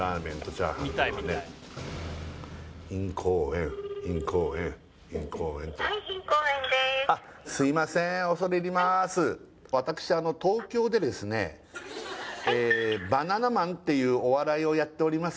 ☎はいバナナマンっていうお笑いをやっております